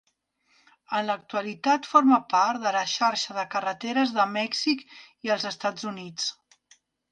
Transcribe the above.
En l'actualitat forma part de la xarxa de carreteres de Mèxic i els Estats Units.